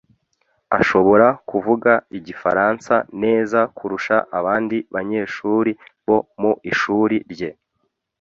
ashobora kuvuga igifaransa neza kurusha abandi banyeshuri bo mu ishuri rye